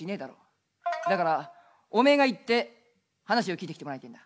だからお前が行って話を聞いてきてもらいてんだ」。